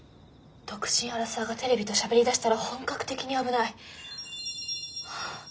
独身アラサーがテレビとしゃべりだしたら本格的に危ない。